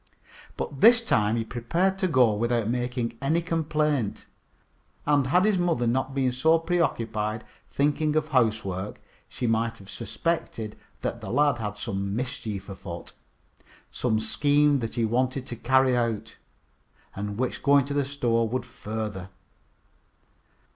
But this time he prepared to go without making any complaint, and had his mother not been so preoccupied thinking of her housework, she might have suspected that the lad had some mischief afoot some scheme that he wanted to carry out, and which going to the store would further.